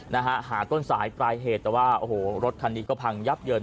นะฮะหาต้นสายปลายเหตุแต่ว่าโอ้โหรถคันนี้ก็พังยับเยิน